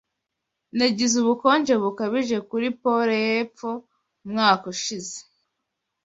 Nagize ubukonje bukabije kuri Pole yepfo umwaka ushize